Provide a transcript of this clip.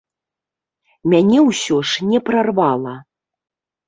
Мяне ўсё ж не прарвала.